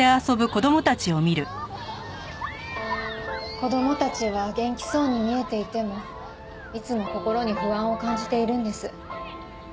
子供たちは元気そうに見えていてもいつも心に不安を感じているんです。